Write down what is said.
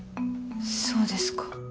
そうですか。